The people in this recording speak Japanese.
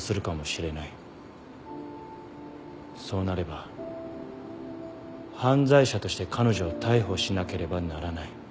そうなれば犯罪者として彼女を逮捕しなければならない。